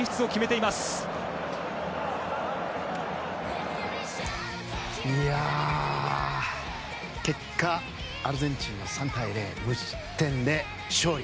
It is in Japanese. いやあ、結果アルゼンチンが３対０無失点で勝利。